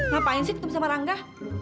ngapain sih ketemu sama rangga